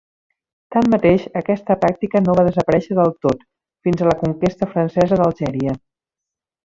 Tanmateix, aquesta pràctica no va desaparèixer del tot fins a la conquesta francesa d'Algèria.